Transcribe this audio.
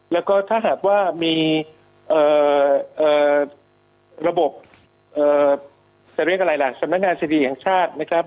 แล้วก็ถ้าหากว่ามีระบบจะเรียกอะไรล่ะสำนักงานสดีแห่งชาตินะครับ